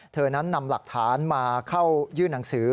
เธอนั้นนำหลักฐานมาเข้ายื่นหนังสือ